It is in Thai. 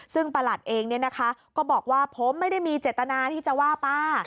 ซึ่งประหลัดเองก็บอกว่าผมไม่ได้มีเจตนาที่จะว่าป้า